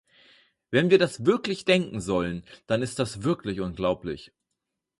Wenn wir das wirklich denken sollen, dann ist das wirklich unglaublich.